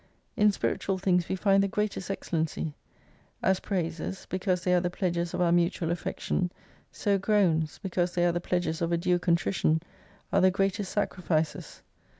In spiritual things we find the greatest excel lency. As praises, because they are the pledges of our mutual affection, so groans, because they are the pledges of a due contrition, are the greatest sacrifices.